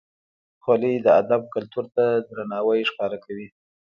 خولۍ د ادب کلتور ته درناوی ښکاره کوي.